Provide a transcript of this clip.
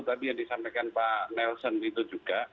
tadi yang disampaikan pak nelson itu juga